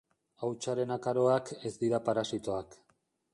Hautsaren akaroak ez dira parasitoak.